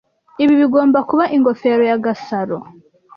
Ibi bigomba kuba ingofero ya Gasaro.